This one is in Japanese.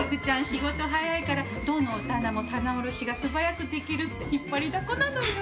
仕事早いからどのお店も棚卸しが素早くできるって引っ張りだこなのよ。